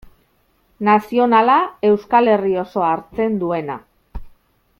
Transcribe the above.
Nazionala, Euskal Herri osoa hartzen duena.